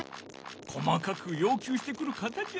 細かくようきゅうしてくる方じゃ。